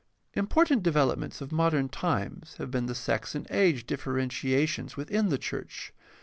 Important developments of modern times have been the sex and age differentiations within the church.